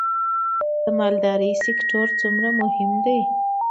د مالدارۍ سکتور څومره مهم دی؟